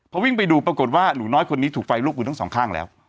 พอวิ่งไปดูปรากฏว่าหนูน้อยคนนี้ถูกไฟลูกมือทั้งสองข้างแล้ว